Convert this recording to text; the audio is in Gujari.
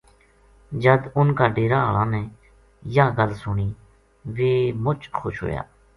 جد اُنھ کا ڈیرا ہالاں نے یاہ گل سُنی ویہ بے مُچ خوش ہویا